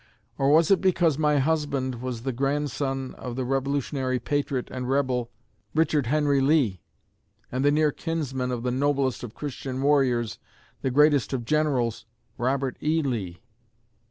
Or was it because my husband was the grandson of the Revolutionary patriot and "rebel," Richard Henry Lee, and the near kinsman of the noblest of Christian warriors, the greatest of generals, Robert E. Lee?...